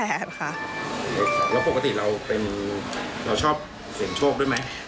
แล้วปกติเราชอบเสียงโชคด้วยไหม